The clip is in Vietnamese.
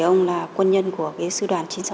ông là quân nhân của sư đoàn chín trăm sáu mươi